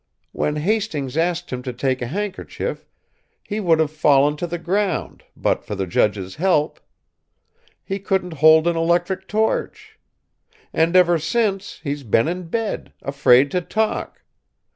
When Hastings asked him to take a handkerchief, he would have fallen to the ground but for the judge's help. He couldn't hold an electric torch. And, ever since, he's been in bed, afraid to talk.